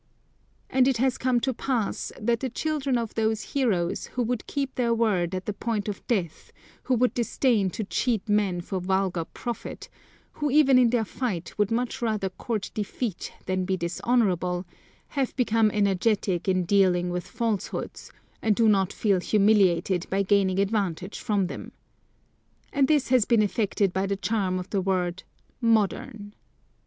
And it has come to pass, that the children of those heroes, who would keep their word at the point of death, who would disdain to cheat men for vulgar profit, who even in their fight would much rather court defeat than be dishonourable, have become energetic in dealing with falsehoods and do not feel humiliated by gaining advantage from them. And this has been effected by the charm of the word 'modern.'